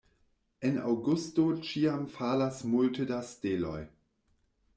En aŭgusto ĉiam falas multe da steloj.